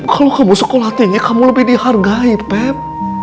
kalau kamu sekolah tinggi kamu lebih dihargai pep